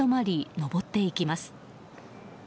上っていきます。